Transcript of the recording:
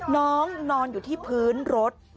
น้องนอนอยู่ที่พื้นรถ